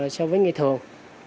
so với ngày thường